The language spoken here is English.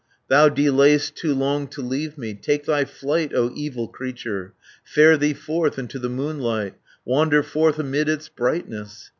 480 Thou delay'st too long to leave me, Take thy flight, O evil creature, Fare thee forth Into the moonlight, Wander forth amid its brightness.